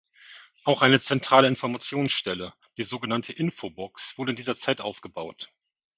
Auch eine zentrale Informationsstelle, die so genannte Infobox, wurde in dieser Zeit aufgebaut.